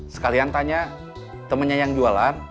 sekalian tanya temennya yang jualan